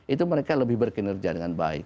itu mereka lebih berkinerja dengan baik